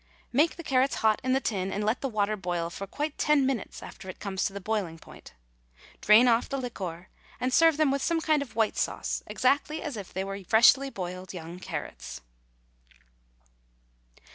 Make the carrots hot in the tin, and let the water boil, for quite ten minutes after it comes to the boiling point. Drain off the liquor, and serve them with some kind of white sauce exactly as if they were freshly boiled young carrots.